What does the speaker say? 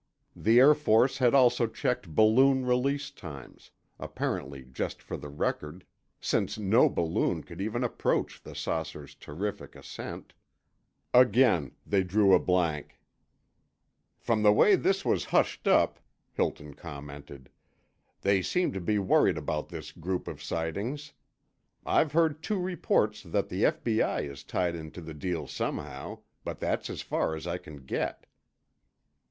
The Air Force had also checked balloon release times—apparently just for the record, since no balloon could even approach the saucer's terrific ascent. Again, they drew a blank. "From the way this was hushed up," Hilton commented, "they seem to be worried about this group of sightings. I've heard two reports that the F.B.I. is tied into the deal somehow, but that's as far as I can get."